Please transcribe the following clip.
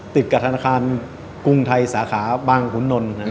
ติดกับธนาคารกรุงไทยสาขาบางขุนนล